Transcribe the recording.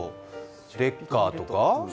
レッカーとか？